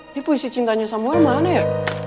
ini puisi cintanya samuel mana ya